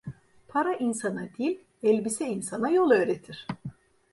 Para insana dil, elbise insana yol öğretir.